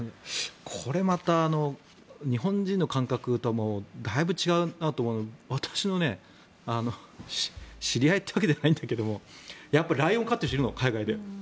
これまた日本人の感覚とだいぶ違うなと思うのは私の知り合いというわけではないんだけどもライオンを飼っている人がいるの海外で。